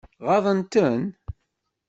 Ɣaḍen-ten?